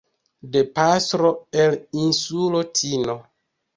de pastro, el insulo Tino.